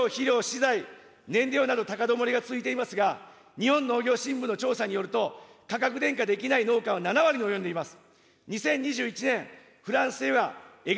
肥料、飼料、資材、燃料など、高止まりが続いていますが、日本農業新聞の調査によると、価格転嫁できない農家は７割に及んでいます。